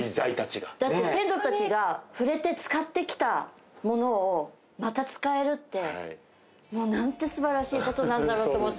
だって先祖たちが触れて使ってきたものをまた使えるってもうなんてすばらしいことなんだろうと思って。